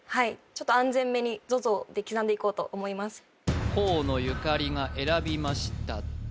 ちょっと安全めにＺＯＺＯで刻んでいこうと思います河野ゆかりが選びましたＺＯＺＯ